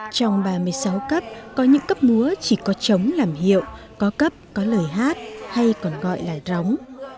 trong ba mươi sáu cấp có những cấp múa chỉ có trống làm hiệu có cấp có lời hát hay còn gọi là róng